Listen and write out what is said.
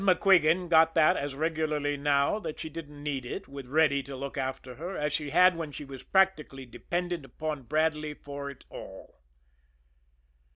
MacQuigan got that as regularly now that she didn't need it with Reddy to look after her as she had when she was practically dependent upon Bradley for it all.